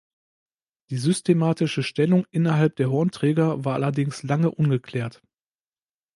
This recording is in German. Die systematische Stellung innerhalb der Hornträger war allerdings lange ungeklärt.